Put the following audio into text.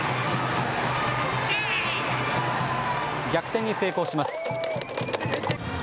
逆転に成功します。